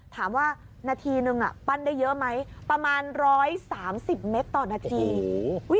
ถามว่านาทีนึงปั้นได้เยอะไหมประมาณ๑๓๐เมตรต่อนาที